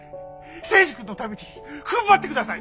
征二君のためにふんばってください！